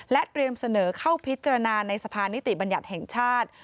เตรียมเสนอเข้าพิจารณาในสภานิติบัญญัติแห่งชาติ